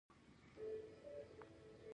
د امیدوارۍ د لکو لپاره د څه شي اوبه وکاروم؟